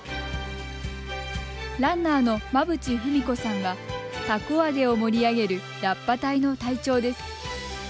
ランナーの間渕史子さんはたこ揚げを盛り上げるラッパ隊の隊長です。